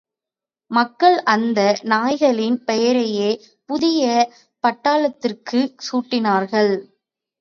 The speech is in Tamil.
மக்கள் அந்த நாய்களின் பெயரையே புதிய பட்டாளத்துற்கும் சூட்டினார்கள்.